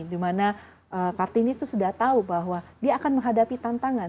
dimana kartini itu sudah tahu bahwa dia akan menghadapi tantangan